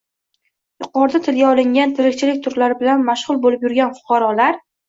yuqorida tilga olingan tirikchilik turlari bilan mashg‘ul bo‘lib yurgan fuqarolar